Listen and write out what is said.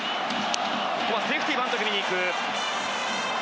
ここはセーフティーバント気味にいく。